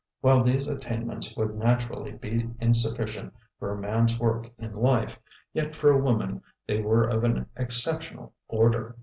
While these attainments would naturally be insufficient for a man's work in life, yet for a woman they were of an exceptional order.